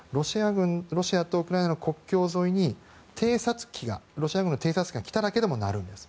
ロシアとウクライナの国境沿いにロシア軍の偵察機が来ただけでも鳴るんです。